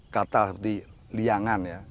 kata seperti liangan